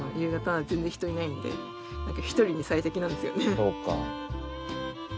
そうか。